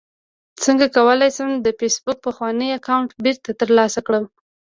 څنګه کولی شم د فېسبوک پخوانی اکاونټ بیرته ترلاسه کړم